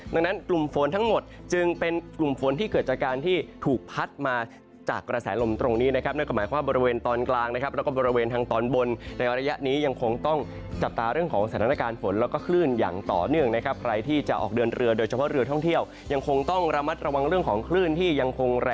ดังนั้นกลุ่มฝนทั้งหมดจึงเป็นกลุ่มฝนที่เกิดจากการที่ถูกพัดมาจากกระแสลมตรงนี้นะครับนั่นก็หมายความบริเวณตอนกลางนะครับแล้วก็บริเวณทางตอนบนในระยะนี้ยังคงต้องจับตาเรื่องของสถานการณ์ฝนแล้วก็คลื่นอย่างต่อเนื่องนะครับใครที่จะออกเดินเรือโดยเฉพาะเรือท่องเที่ยวยังคงต้องระมัดระวังเรื่องของคลื่นที่ยังคง